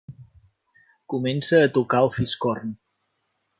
Comença a tocar el fiscorn.